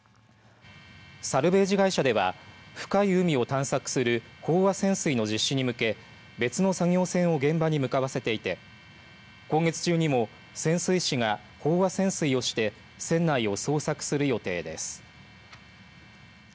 サルベージ会社では深い海を探索する飽和潜水の実施に向け別の作業船を現場に向かわせていて今月中にも潜水士が飽和潜水をして船内を捜索する予定です。